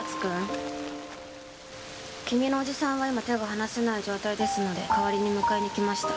君のおじさんは今、手が離せない状態ですので代わりに迎えに来ました。